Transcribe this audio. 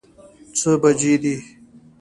څه بجې دي؟